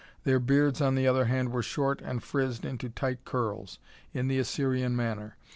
Their beards on the other hand were short and frizzed into tight curls, in the Assyrian manner.